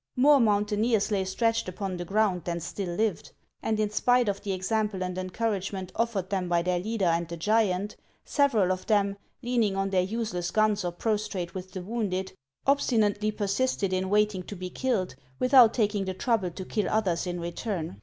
More mountaineers lay stretched upon the ground than still lived, and in spite of the example and encouragement offered them by their leader and the giant, several of them, leaning on their useless guns or prostrate with the wounded, obstinately persisted in wait ing to be killed without taking the trouble to kill others in return.